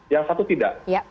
yang satu tidak